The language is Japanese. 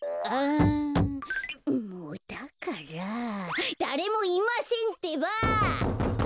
んもだからだれもいませんってば！